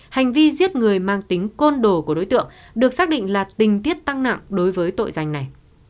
hành vi giết người mang tính côn đồ của đối tượng được xác định là tình tiết tăng nặng đối với tội danh này